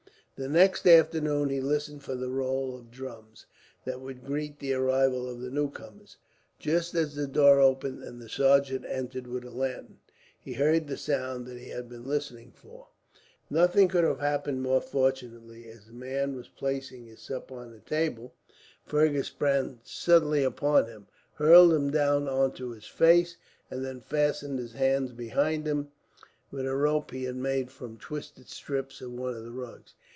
The next afternoon he listened for the roll of drums that would greet the arrival of the newcomers. Just as the door opened, and the sergeant entered with a lantern, he heard the sound that he had been listening for. [Illustration: As the man was placing his supper on the table, Fergus sprang upon him] Nothing could have happened more fortunately. As the man was placing his supper on the table, Fergus sprang suddenly upon him, hurled him down on to his face, and then fastened his hands behind him with a rope he had made from twisted strips of one of his rugs.